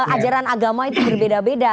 ajaran agama itu berbeda beda